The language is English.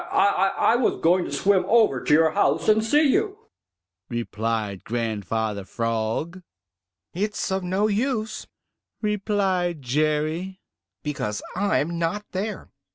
"I I was going to swim over to your house to see you," replied Grandfather Frog. "It's of no use," replied Jerry, "because I'm not there.